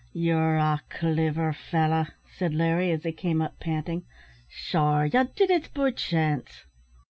"Yer a cliver fellow," said Larry, as he came up, panting; "sure ye did it be chance?"